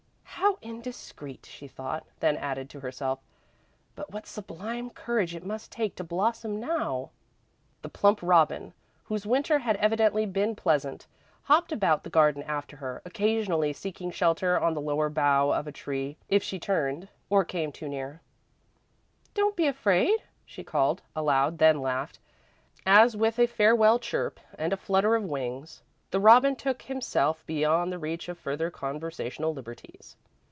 "How indiscreet," she thought, then added, to herself, "but what sublime courage it must take to blossom now!" The plump robin, whose winter had evidently been pleasant, hopped about the garden after her, occasionally seeking shelter on the lower bough of a tree if she turned, or came too near. "Don't be afraid," she called, aloud, then laughed, as with a farewell chirp and a flutter of wings, the robin took himself beyond the reach of further conversational liberties.